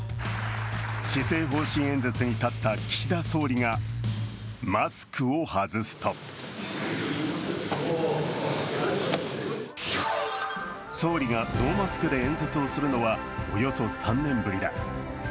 施政方針演説に立った岸田総理がマスクを外すと総理がノーマスクで演説をするのはおよそ３年ぶりだ。